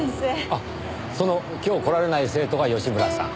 あっその今日来られない生徒が吉村さん。